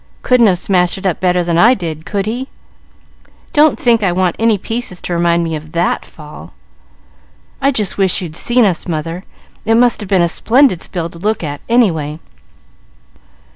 Couldn't have smashed it up better than I did, could he? Don't think I want any pieces to remind me of that fall. I just wish you'd seen us, mother! It must have been a splendid spill to look at, any way."